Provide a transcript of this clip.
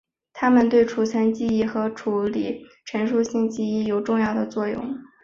它们对储存记忆和处理陈述性记忆有重要的作用。